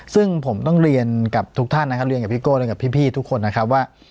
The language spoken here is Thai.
ซึ่งผมต้องเรียนกับทุกท่านนะครับเรียนกับพี่โก้เรียนกับพี่ทุกคนนะครับว่า